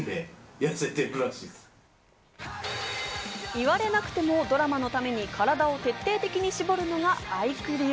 言われなくてもドラマのために体を徹底的に絞るのがアイク流。